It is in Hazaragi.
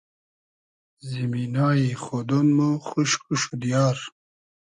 زیمینای خۉدۉن مۉ خوشک و شودیار